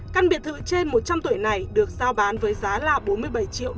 căn biệt thự trên một trăm linh tuổi này được giao bán với giá là bốn mươi bảy triệu usd